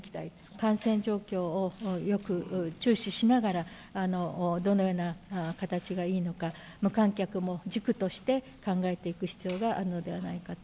感染状況をよく注視しながら、どのような形がいいのか、無観客も軸として、考えていく必要があるのではないかと。